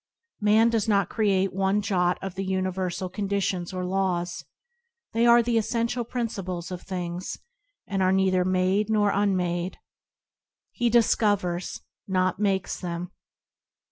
Man does not create one jot of the universal conditions or laws; they are the essential principles of things, and are neither made nor unmade. He discovers, not makes, them.